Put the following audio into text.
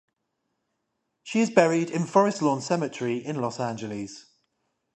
She is buried in Forest Lawn Cemetery in Los Angeles.